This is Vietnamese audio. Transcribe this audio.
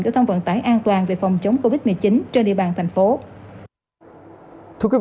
giao thông vận tải an toàn về phòng chống covid một mươi chín trên địa bàn thành phố